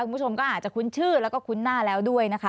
คุณผู้ชมก็อาจจะคุ้นชื่อแล้วก็คุ้นหน้าแล้วด้วยนะคะ